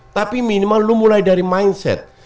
tapi minimal lu mulai dari mindset